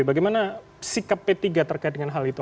bagaimana sikap p tiga terkait dengan hal itu